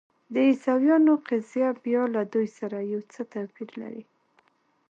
د عیسویانو قضیه بیا له دوی سره یو څه توپیر لري.